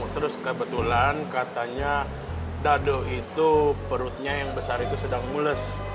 terus kebetulan katanya dado itu perutnya yang besar itu sedang mules